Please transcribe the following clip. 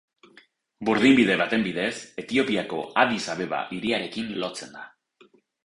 Burdinbide baten bidez Etiopiako Addis Abeba hiriarekin lotzen da.